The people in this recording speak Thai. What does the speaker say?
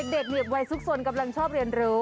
เด็กวัยซุกสนกำลังชอบเรียนรู้